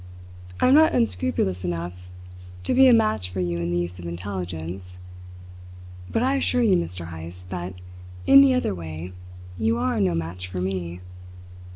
I am not unscrupulous enough to be a match for you in the use of intelligence; but I assure you, Mr. Heyst, that in the other way you are no match for me.